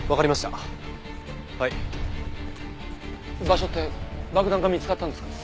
場所って爆弾が見つかったんですか？